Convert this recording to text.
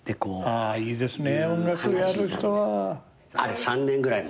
あいいですね。